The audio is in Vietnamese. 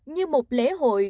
như một lễ hội